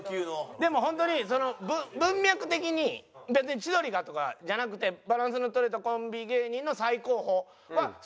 でもホントに文脈的に別に「千鳥が」とかじゃなくてバランスのとれたコンビ芸人の最高峰はスッと入るから。